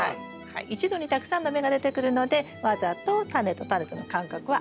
一度にたくさんの芽が出てくるのでわざとタネとタネとの間隔は空けて頂きます。